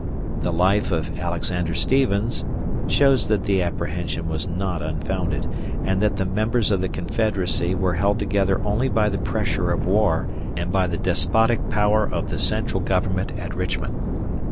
"The Life of Alexander Stephens" shows that the apprehension was not unfounded, and that the members of the Confederacy were held together only by the pressure of war and by the despotic power of the central government at Richmond.